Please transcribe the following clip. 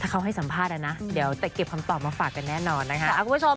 ถ้าเขาให้สัมภาษณ์แล้วนะเดี๋ยวจะเก็บคำตอบมาฝากกันแน่นอนนะคะ